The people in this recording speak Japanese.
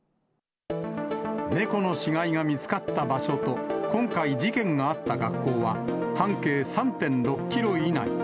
猫の死骸が見つかった場所と、今回、事件があった学校は半径３．６キロ以内。